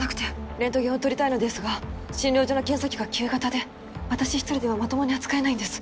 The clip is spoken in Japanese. レントゲンを撮りたいのですが診療所の検査機が旧型で私一人ではまともに扱えないんです。